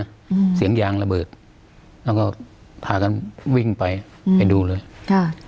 อืมเสียงยางระเบิดแล้วก็พากันวิ่งไปอืมไปดูเลยค่ะ